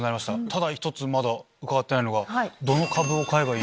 ただ１つまだ伺ってないのが。